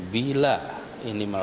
bila ini memandang